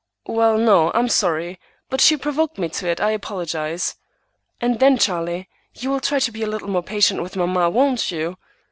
"Well, no; I'm sorry, but she provoked me to it. I'll apologize." "And then, Charlie, you will try to be a little more patient with mamma, won't you?"